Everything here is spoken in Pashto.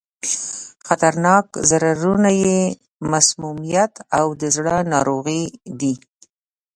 خطرناک ضررونه یې مسمومیت او د زړه ناروغي دي.